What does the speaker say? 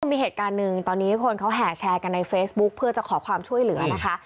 มีเหตุการณ์หนึ่งตอนนี้คนเขาแห่แชร์กันในเฟซบุ๊คเพื่อจะขอความช่วยเหลือนะคะ